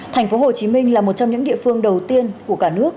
thành phố hồ chí minh là một trong những địa phương đầu tiên của cả nước